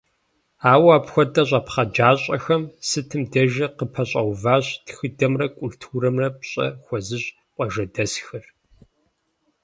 Ауэ апхуэдэ щӀэпхъаджащӀэхэм сытым дежи къапэщӀэуващ тхыдэмрэ культурэмрэ пщӀэ хуэзыщӀ къуажэдэсхэр.